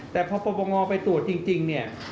แต่พอประงอไปตรวจจริง